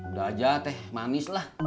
udah aja teh manis lah